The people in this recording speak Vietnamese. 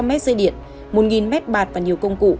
ba trăm linh m dây điện một m bạt và nhiều công cụ